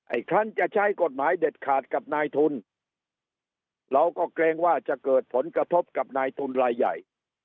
อีกครั้งจะใช้กฎหมายเด็ดขาดกับนายทุนเราก็เกรงว่าจะเกิดผลกระทบกับนายทุนรายใหญ่